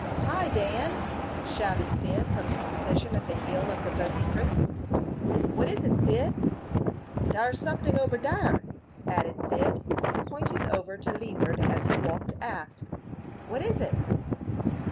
"Hi, Dan!" shouted Cyd, from his position at the heel of the bowsprit. "What is it, Cyd?" "Dar's someting ober dar," added Cyd, pointing over to leeward, as he walked aft. "What is it?"